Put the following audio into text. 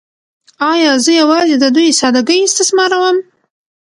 “ایا زه یوازې د دوی ساده ګۍ استثماروم؟